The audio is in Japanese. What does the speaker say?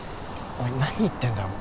おい何言ってんだよ。